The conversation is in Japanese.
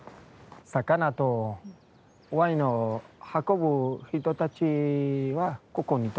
魚とワインを運ぶ人たちはここに泊まった。